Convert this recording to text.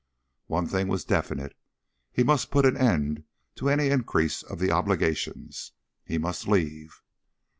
One thing was definite. He must put an end to any increase of the obligations. He must leave.